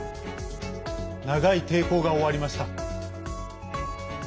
長い抵抗が終わりました。